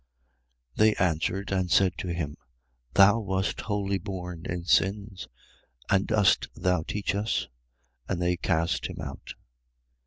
9:34. They answered and said to him: Thou wast wholly born in sins; and dost thou teach us? And they cast him out.